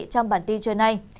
trong bản tin trưa nay